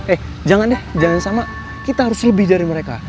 eh jangan deh jangan sama kita harus lebih dari mereka